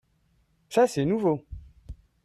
Ca, c'est nouveau.